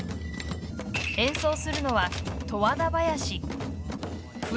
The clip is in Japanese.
演奏するのは、「十和田囃子」。